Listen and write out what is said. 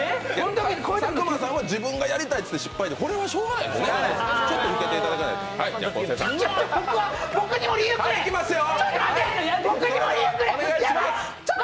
佐久間さんは自分がやりたいって失敗、これはしょうがないですよねちょっと受けていただかないと。